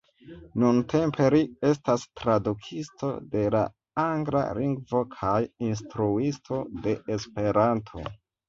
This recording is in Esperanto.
Nuntempe li estas tradukisto de la Angla Lingvo kaj Instruisto de Esperanto.